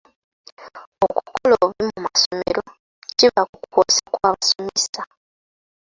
Okukola obubi mu masomero kiva ku kwosa kw'abasomesa.